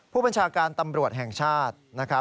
ผู้บัญชาการตำรวจแห่งชาติ